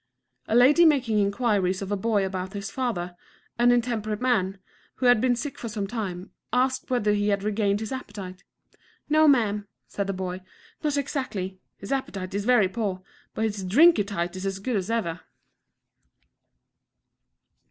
A lady making inquiries of a boy about his father, an intemperate man, who had been sick for some time, asked whether he had regained his appetite. "No, ma'am," said the boy, "not exactly; his appetite is very poor, but his drinkatite is as good as ever."